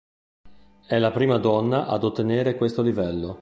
È la prima donna ad ottenere questo livello.